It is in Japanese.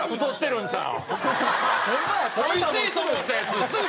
おいしいと思ったやつすぐ